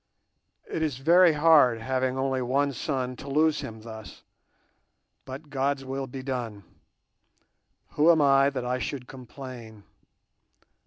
It is very hard having only one son to lose him thus, but God's will be done. Who am I that I should complain?